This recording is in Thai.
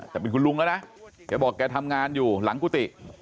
แต่เป็นคุณลุงแล้วนะแกบอกแกทำงานอยู่หลังกุฏิ